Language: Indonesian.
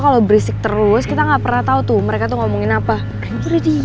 kok el banyak foto sama cowok ini sih